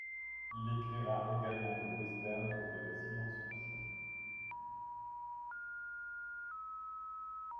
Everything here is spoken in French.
Il écrira également des westerns et de la science-fiction.